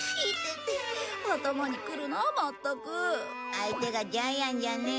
相手がジャイアンじゃね。